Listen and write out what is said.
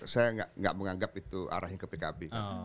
saya enggak menganggap itu arahnya ke pkb